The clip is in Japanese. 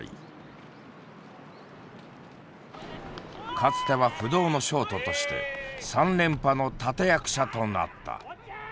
かつては不動のショートとして３連覇の立て役者となった。